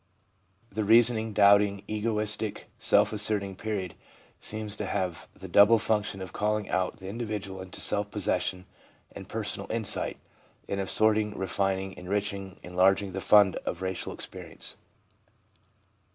The reasoning, doubting, egoistic, self asserting period seems to have the double function of calling out the individual into self possession and personal insight, and of sorting, refining, enriching, enlarging the fund of racial experience.